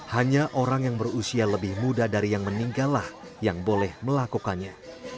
hanya orang yang berusia lebih muda dari yang meninggal lah yang boleh melakukannya